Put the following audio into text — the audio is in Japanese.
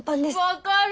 分かる！